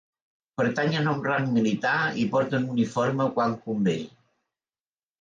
Pertanyen a un rang militar i porten uniforme quan convé